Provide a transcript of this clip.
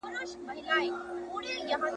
د ښار خلکو پیدا کړې مشغولا وه ,